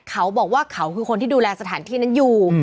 เขาบอกว่าเขาคือคนที่ดูแลสถานที่นั้นอยู่